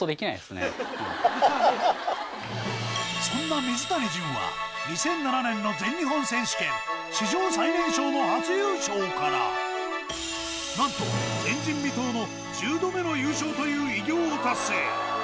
そんな水谷隼は２００７年の全日本選手権史上最年少の初優勝から何と前人未到の１０度目の優勝という偉業を達成